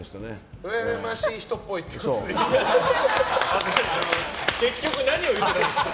うらやましい人っぽいってことでいいですか？